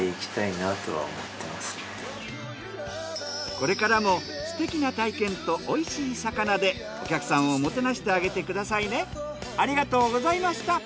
これからもすてきな体験とおいしい魚でお客さんをもてなしてあげてくださいね。